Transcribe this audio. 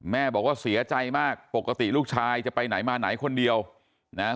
แม่บอกว่าเสียใจมากปกติลูกชายจะไปไหนมาไหนคนเดียวนะฮะ